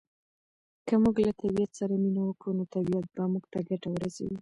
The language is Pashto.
که موږ له طبعیت سره مینه وکړو نو طبعیت به موږ ته ګټه ورسوي.